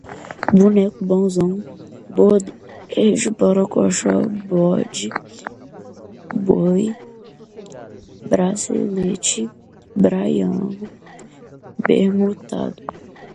boneco, bonzão, bordejo, borocochô, bote, boy, bracelete, braiado, permutado